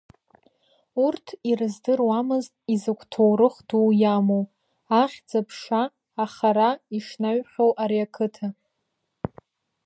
Урҭ ирыздыруамызт изакә ҭоурых дуу иамоу, ахьӡ-аԥша ахара ишнаҩхьоу ари ақыҭа.